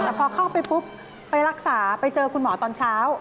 แต่พอเข้าไปปุ๊บไปรักษาไปเจอคุณหมอตอนเช้า